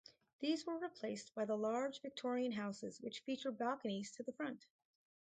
These were replaced by the large Victorian houses which feature balconies to the front.